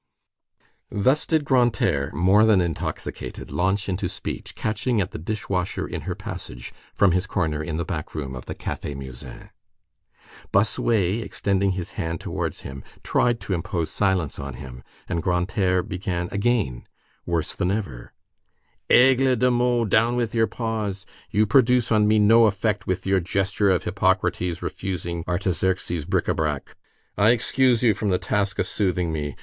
Thus did Grantaire, more than intoxicated, launch into speech, catching at the dish washer in her passage, from his corner in the back room of the Café Musain. Bossuet, extending his hand towards him, tried to impose silence on him, and Grantaire began again worse than ever:— "Aigle de Meaux, down with your paws. You produce on me no effect with your gesture of Hippocrates refusing Artaxerxes' bric à brac. I excuse you from the task of soothing me.